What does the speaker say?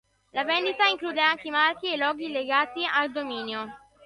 La vendita include anche i marchi e i loghi legati al dominio.